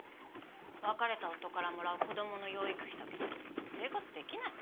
別れた夫からもらう子供の養育費だけじゃ生活できない。